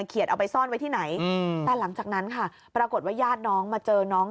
เอาไปซ่อนไว้ที่ไหนแต่หลังจากนั้นค่ะปรากฏว่าญาติน้องมาเจอน้อง